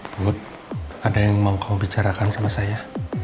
bu ada yang mau kamu bicarakan sama saya